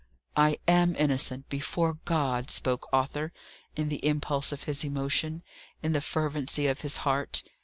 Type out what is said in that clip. "I am innocent, before God," spoke Arthur, in the impulse of his emotion, in the fervency of his heart.